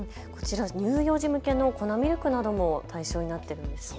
乳幼児向けの粉ミルクなども対象になっているんですね。